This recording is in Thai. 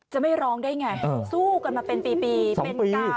จะไม่ร้องได้ไงสู้กันมาเป็นปีสองปี